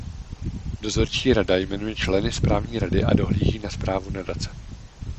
Dozorčí rada jmenuje členy správní rady a dohlíží na správu nadace.